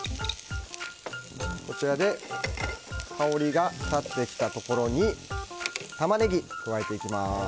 香りが立ってきたところにタマネギを加えていきます。